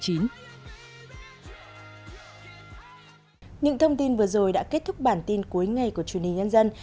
những thông tin vừa rồi đã kết thúc bản tin cuối ngày của truyền hình nhân dân